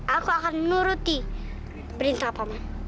aku akan menuruti perintah paman